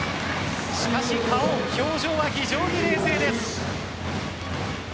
しかし顔、表情は非常に冷静です。